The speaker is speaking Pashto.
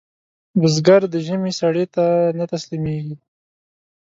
بزګر د ژمي سړې ته نه تسلېږي